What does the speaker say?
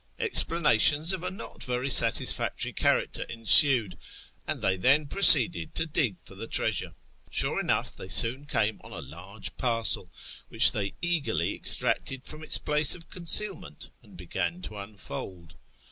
Explanations of a not very satisfactory character ensued, and they then proceeded to dig for the treasure. Sure enough they soon came on a large parcel, which they eagerly extracted from its place of conceal ment, and began to unfold.